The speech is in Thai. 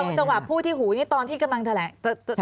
เดี๋ยวจังหวะพูดที่หูตอนที่กำลังแทระ